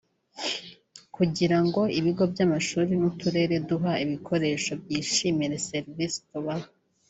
kugira ngo ibigo by’amashuri n’uturere duha ibikoresho byishimire serivise tubaha